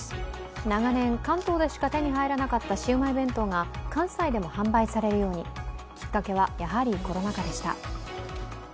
長年関東でした手に入らなかったシウマイ弁当が関西でも販売されるようにきっかけは、やはりコロナ禍でした